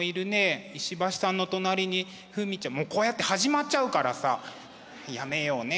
石橋さんの隣にこうやって始まっちゃうからさやめようね。